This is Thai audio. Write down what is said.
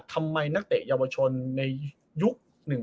ทำไมนักเตะเยาวชนในยุค๑๙๘๐